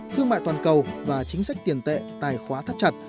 thương mại toàn cầu và chính sách tiền tệ tài khóa thắt chặt